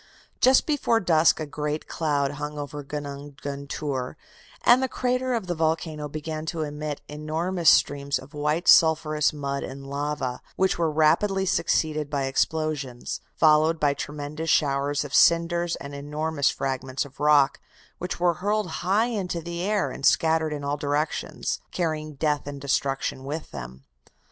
"Just before dusk a great cloud hung over Gunung Guntur, and the crater of the volcano began to emit enormous streams of white sulphurous mud and lava, which were rapidly succeeded by explosions, followed by tremendous showers of cinders and enormous fragments of rock, which were hurled high into the air and scattered in all directions, carrying death and destruction with them.